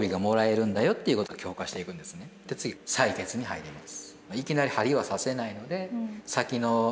次採血に入ります。